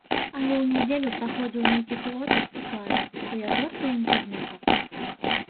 Але ў нядзелю праходзіў нейкі хлопец і кажа, што я зорка інтэрнэта.